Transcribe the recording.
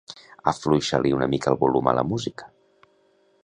Afluixa-li una mica el volum a la música.